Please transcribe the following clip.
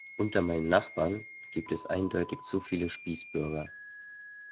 Unter meinen Nachbarn gibt es eindeutig zu viele Spießbürger.